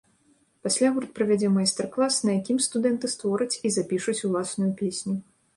Пасля гурт правядзе майстар-клас, на якім студэнты створаць і запішуць уласную песню.